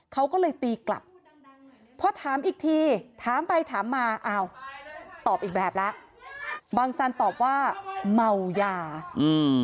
เขาก็เลยตีกลับพอถามอีกทีถามไปถามมาอ้าวตอบอีกแบบแล้วบางซันตอบว่าเมายาอืม